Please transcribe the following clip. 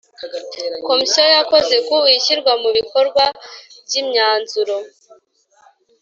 komisiyo yakoze ku ishyirwa mu bikorwa ry imyanzuro